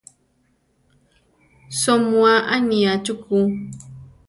Soʼmúa aniá chukú.